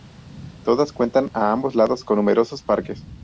Todas cuentan a ambos lados con numerosos parques.